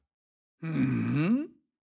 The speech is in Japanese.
うん？